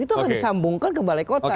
itu akan disambungkan ke balai kota